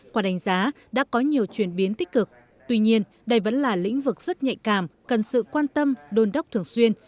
quả đánh giá đã có nhiều chuyển biến tích cực tuy nhiên đây vẫn là lĩnh vực rất nhạy cảm cần sự quan tâm đôn đốc thường xuyên